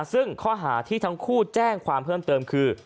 ซึ่งข้อหาที่ทั้งคู่แจ้งความเพิ่มเติมคือ